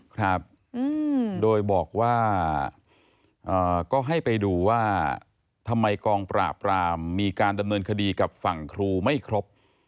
ครับโดยบอกว่าก็ให้ไปดูว่าทำไมกองปราบรามมีการดำเนินคดีกับฝั่งครูไม่ครบ